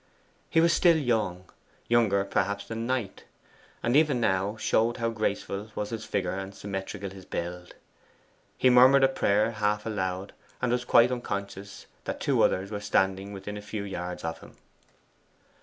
He was still young younger, perhaps, than Knight and even now showed how graceful was his figure and symmetrical his build. He murmured a prayer half aloud, and was quite unconscious that two others were standing within a few yards of him.